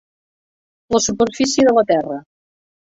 La superfície de la terra.